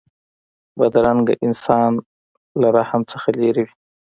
بدرنګه انسان له رحم نه لېرې وي